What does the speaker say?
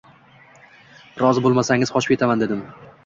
Rozi bo`lmasangiz qochib ketaman, dedim